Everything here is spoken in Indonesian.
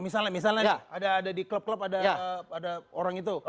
misalnya misalnya ada di klub klub ada orang itu